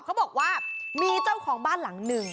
เขาบอกว่ามีเจ้าของบ้านหลังหนึ่ง